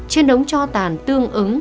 trên đống cho tàn tương ứng